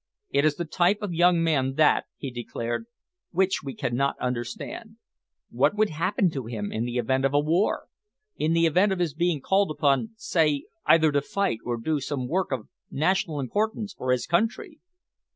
"It is the type of young man, that," he declared, "which we cannot understand. What would happen to him, in the event of a war? In the event of his being called upon, say, either to fight or do some work of national importance for his country?"